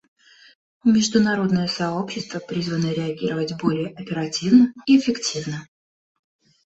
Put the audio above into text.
Международное сообщество призвано реагировать более оперативно и эффективно.